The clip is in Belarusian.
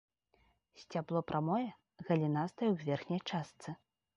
Сцябло прамое, галінастае ў верхняй частцы.